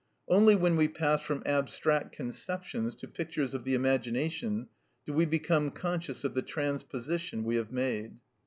Only when we pass from abstract conceptions to pictures of the imagination do we become conscious of the transposition we have made.